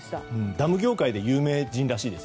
ダム業界で有名人らしいです。